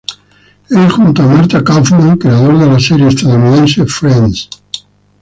Es junto a Marta Kauffman creador de la serie estadounidense "Friends".